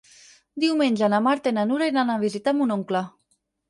Diumenge na Marta i na Nura iran a visitar mon oncle.